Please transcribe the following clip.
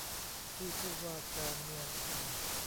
ที่ผู้ว่าการเมืองทำ